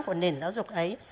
của nền giáo dục ấy